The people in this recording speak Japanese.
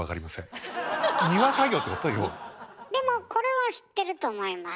でもこれは知ってると思います。